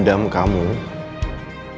dan saya akan menyesal